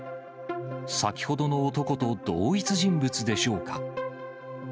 先ほどの男と同一人物でしょうか。